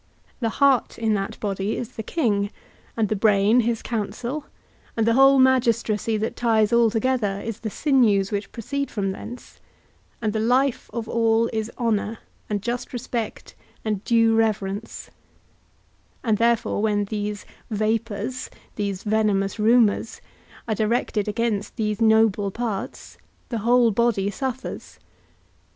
The heart in that body is the king, and the brain his council; and the whole magistracy, that ties all together, is the sinews which proceed from thence; and the life of all is honour, and just respect, and due reverence; and therefore, when these vapours, these venomous rumours, are directed against these noble parts, the whole body suffers.